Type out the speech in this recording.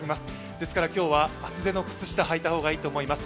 ですから今日は厚手の靴下を履いた方がいいと思います。